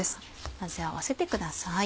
混ぜ合わせてください。